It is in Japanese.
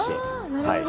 なるほど。